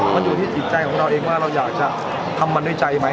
มันอยู่ที่จิตใจของเราเองว่าเราอยากจะทำมันด้วยใจไหม